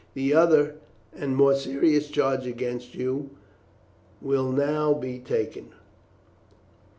The other and more serious charge against you will now be taken."